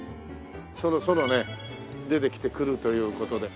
そろそろね出てきてくるという事で。